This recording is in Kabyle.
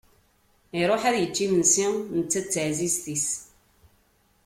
Iruḥ ad yečč imensi netta d teɛzizt-is.